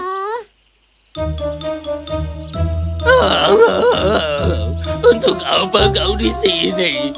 tidak aku tidak apa apa